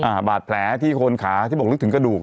อ่าบาดแผลที่โคนขาที่บอกลึกถึงกระดูก